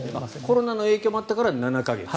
コロナの影響もあったから７か月。